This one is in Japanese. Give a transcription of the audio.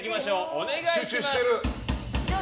お願いします。